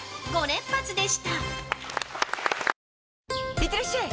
いってらっしゃい！